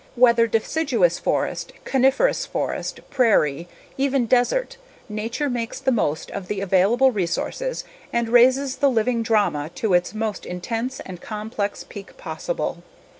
Whether deciduous forest, coniferous forest, prairie, even desert, nature makes the most of the available resources and raises the living drama to its most intense and complex peak possible.